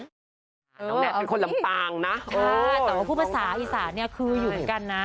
น้องแน็ตเป็นคนลำต่างนะจ้าแต่ว่าภาษาอีสานเนี่ยคือยุงกันน่ะ